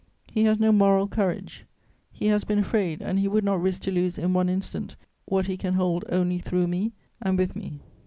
He has no moral courage. He has been afraid, and he would not risk to lose in one instant what he can hold only through me and with me."